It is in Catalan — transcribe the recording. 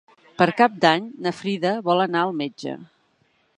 Per Cap d'Any na Frida vol anar al metge.